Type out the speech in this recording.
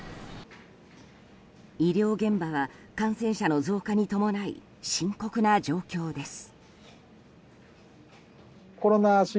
医療現場は、感染者の増加に伴い深刻な状況です。